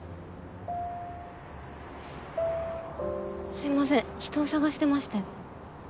すいません人を捜してまして。